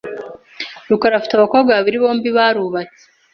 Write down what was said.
rukara afite abakobwa babiri .Bombi barubatse .